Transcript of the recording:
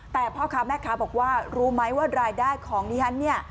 แต่พ่อค้าแม่ค้าบอกว่ารู้ไหมว่ารายได้ของดิฉันเนี่ย